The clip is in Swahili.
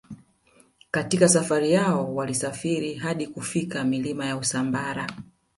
Katika safari yao walisafiri hadi kufika milima ya Usambara